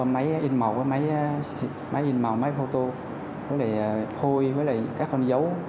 em mua máy in màu máy photo với lại hôi với lại các con dấu